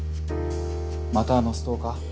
またあのストーカー？